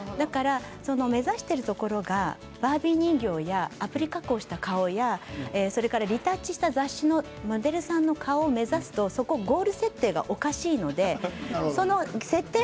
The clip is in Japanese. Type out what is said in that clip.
目指しているところがバービー人形やアプリ加工した顔やリタッチした雑誌のモデルさんの顔を目指すとゴール設定がおかしいんです。